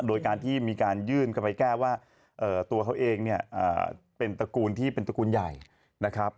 โดยการที่มีการยื่นเข้าไปแก้ว่าตัวเขาเองเนี่ยเป็นตระกูลที่เป็นตระกูลใหญ่นะครับ